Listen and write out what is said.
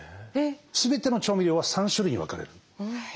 全ての調味料は３種類に分かれる。